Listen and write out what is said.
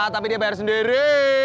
tapi dia bayar sendiri